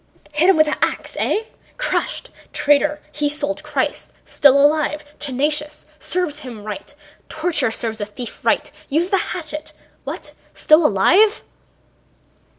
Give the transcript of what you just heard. "Hit him with an ax, eh!... Crushed?... Traitor, he sold Christ.... Still alive... tenacious... serves him right! Torture serves a thief right. Use the hatchet!... What—still alive?"